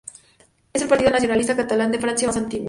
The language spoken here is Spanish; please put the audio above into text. Es el partido nacionalista catalán de Francia más antiguo.